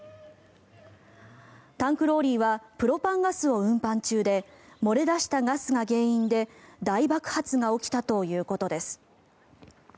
タンクローリーはプロパンガスを運搬中で漏れ出したガスが原因で大爆発が起きたということです。